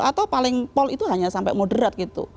atau paling pol itu hanya sampai moderat gitu